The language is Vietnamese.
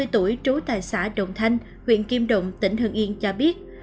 năm mươi tuổi trú tại xã đồng thanh huyện kim đồng tỉnh hương yên cho biết